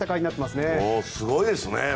すごいですね。